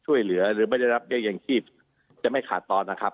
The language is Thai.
ช่วยเหลือหรือไม่ได้รับเบียร์ยังทรีย์อีกจะไม่ขาดตอนนะครับ